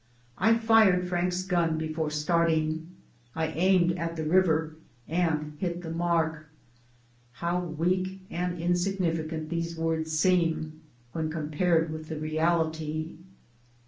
I fired Frank's gun before start ing; I aimed at the river, and hit the mark. How weak and insignificant these words seem when compared with the reality.